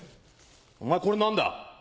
お前これ何だ？